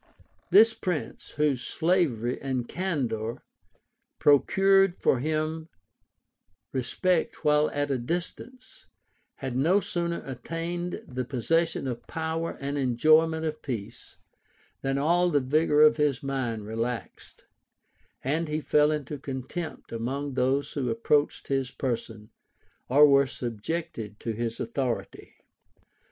This prince, whose bravery and candor procured him respect while at a distance, had no sooner attained the possession of power and enjoyment of peace, than all the vigor of his mind relaxed; and he fell into contempt among those who approached his person, or were subjected to his authority.